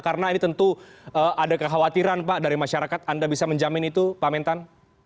karena ini tentu ada kekhawatiran dari masyarakat anda bisa menjamin itu pak mentan